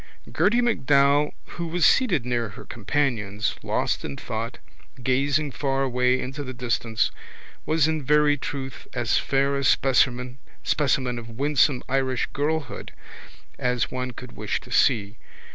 Gerty MacDowell who was seated near her companions, lost in thought, gazing far away into the distance was, in very truth, as fair a specimen of winsome Irish girlhood as one could wish to see.